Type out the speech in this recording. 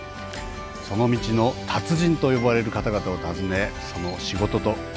その道の達人と呼ばれる方々を訪ねその仕事と生き方に学びます。